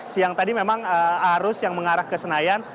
siang tadi memang arus yang mengarah ke senayan